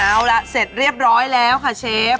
เอาละเสร็จเรียบร้อยแล้วค่ะเชฟ